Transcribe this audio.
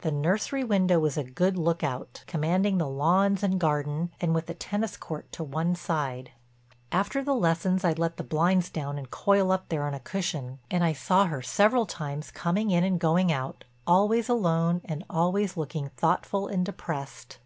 The nursery window was a good look out, commanding the lawns and garden and with the tennis court to one side. After lessons I'd let the blinds down and coil up there on a cushion, and I saw her several times coming in and going out, always alone, and always looking thoughtful and depressed.